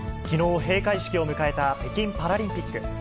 きのう、閉会式を迎えた北京パラリンピック。